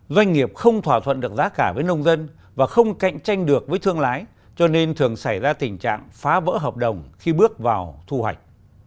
doanh nghiệp không thỏa thuận được giá cả với nông dân và không cạnh tranh được với thương lái cho nên thường xảy ra tình trạng phá vỡ hợp đồng khi bước vào thu hoạch